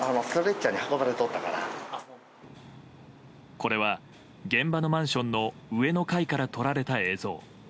これは現場のマンションの上の階から撮られた映像。